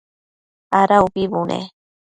Ada ubi bune?